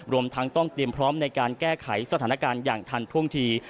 รวมทั้งต้องเตรียมพร้อมในการแก้ไขสถานการณ์อย่างทันท่วงที